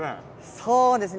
そうですね。